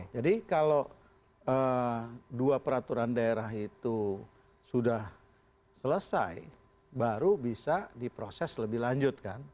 jadi kalau dua peraturan daerah itu sudah selesai baru bisa diproses lebih lanjut kan